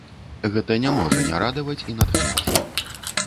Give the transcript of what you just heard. Гэта не можа не радаваць і натхняць!